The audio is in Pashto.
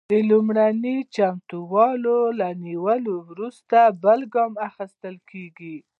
د لومړنیو چمتووالو له نیولو وروسته بل ګام اخیستل کیږي.